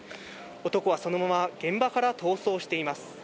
男はそのまま現場から逃走しています。